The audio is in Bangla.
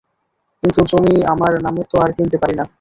কিন্তু জমি আমার নামে তো আর কিনতে পারি না।